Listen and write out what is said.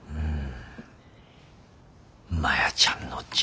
うん。